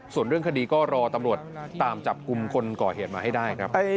ส่วนเรื่องคดีก็รอตำรวจตามจับกลุ่มคนก่อเหตุมาให้ได้ครับ